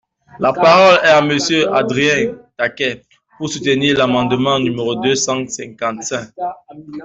La parole est à Monsieur Adrien Taquet, pour soutenir l’amendement numéro deux cent cinquante-cinq.